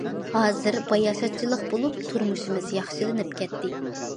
ھازىر باياشاتچىلىق بولۇپ تۇرمۇشىمىز ياخشىلىنىپ كەتتى.